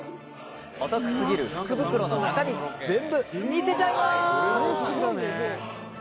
お得すぎる福袋の中身全部見せちゃいます！